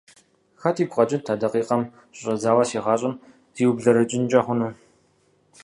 Хэт игу къэкӀынт а дакъикъэм щыщӀэдзауэ си гъащӀэм зиублэрэкӀынкӀэ хъуну…